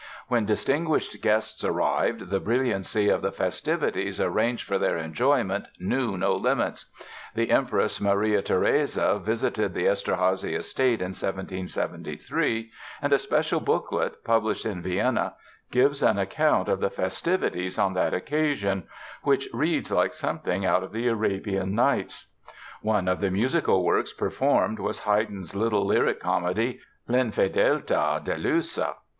When distinguished guests arrived the brilliancy of the festivities arranged for their enjoyment knew no limits. The Empress Maria Theresia visited the Eszterházy estate in 1773 and a special booklet published in Vienna gives an account of the festivities on that occasion, which reads like something out of the Arabian Nights. One of the musical works performed was Haydn's little lyric comedy, "L'infedeltà delusa".